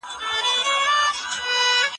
په قرآني قصو کي ډير حکمتونه سته.